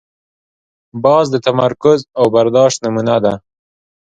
باز د تمرکز او برداشت نمونه ده